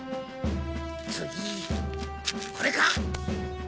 次これか。